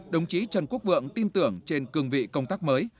đồng chí trần quốc vượng tin tưởng trên cương vị công tác mới